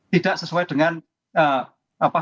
tidak sesuai dengan apa